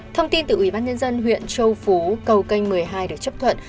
thông tin từ ủy ban nhân dân huyện châu phú cầu canh một mươi hai được chấp thuận